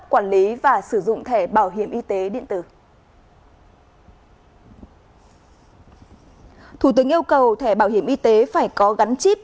quản lý và sử dụng thẻ bảo hiểm y tế điện tử thủ tướng yêu cầu thẻ bảo hiểm y tế phải có gắn chip